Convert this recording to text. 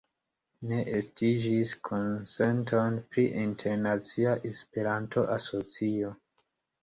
Ne estiĝis konsento pri internacia Esperanto-asocio.